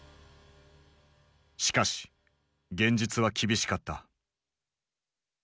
しかし現実は厳しかった。